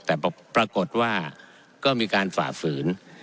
แต่ปรากฏว่าก็มีการฝ่าฝืน